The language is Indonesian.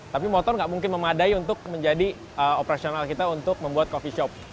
tapi motor nggak mungkin memadai untuk menjadi operasional kita untuk membuat coffee shop